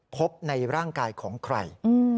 พบในร่างกายของใคร